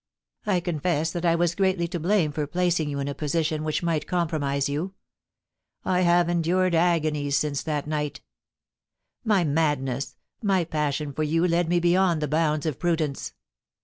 I confess that I was greatly to blame for placing you in a position which might compromise you. I have endured agonies since that night My madness — my passion for you led me beyond the bounds of prudence.